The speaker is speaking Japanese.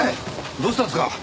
どうしたんですか！？